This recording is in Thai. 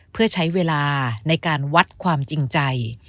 เพื่อใช้เวลาในการวัดความจริงใจ